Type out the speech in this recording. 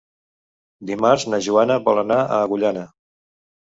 Dimarts na Joana vol anar a Agullana.